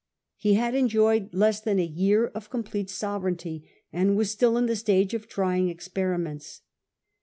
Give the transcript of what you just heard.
He had enjoyed less than a year of complete sovereignty, and was still in the stage of trying experiments.